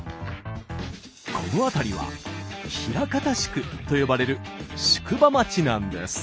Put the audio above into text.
この辺りは「枚方宿」と呼ばれる宿場町なんです。